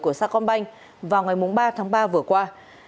của sa công banh vào ngày ba tháng ba vừa qua